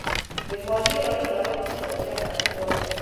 د مالیې راټولول د شفافیت اړتیا لري.